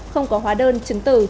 không có hóa đơn chứng tử